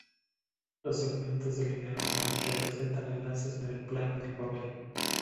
Los segmentos de línea normales representan enlaces en el plano del papel.